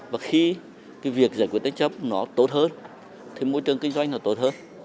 và khi việc giải quyết tranh chấp tốt hơn thì môi trường kinh doanh tốt hơn